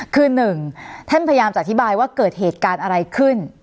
คือหนึ่งท่านพยายามจะอธิบายว่าเกิดเหตุการณ์อะไรขึ้น